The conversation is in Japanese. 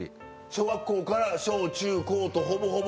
小学校から小中高とほぼほぼ。